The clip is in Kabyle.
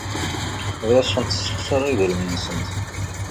Ur asent-ssexṣareɣ idrimen-nsent.